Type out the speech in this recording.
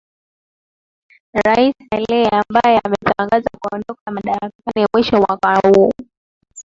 rais saleh ambaye ametangaza kuondoka madarakani mwishoni mwaka huu